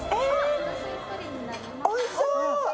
おいしそう。